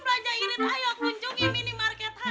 belanja irit ayo kunjungi minimarket hm dan am